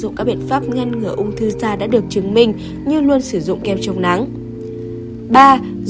sử dụng các biện pháp ngăn ngừa ung thư da đã được chứng minh như luôn sử dụng kem chống nắng